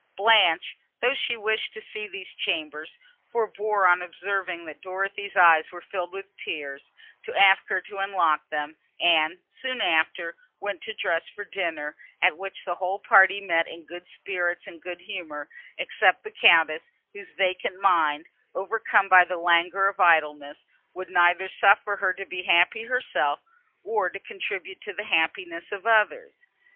Blanche, though she wished to see these chambers, forbore, on observing that Dorothée's eyes were filled with tears, to ask her to unlock them, and, soon after, went to dress for dinner, at which the whole party met in good spirits and good humour, except the Countess, whose vacant mind, overcome by the languor of idleness, would neither suffer her to be happy herself, nor to contribute to the happiness of others.